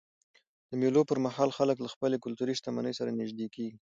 د مېلو پر مهال خلک له خپلي کلتوري شتمنۍ سره نيژدې کېږي.